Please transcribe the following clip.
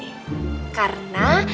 betah disini karena